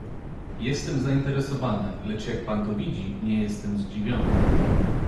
"Jestem zainteresowany, lecz jak pan to widzi, nie jestem zdziwiony."